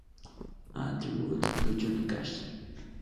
A Tribute to Johnny Cash".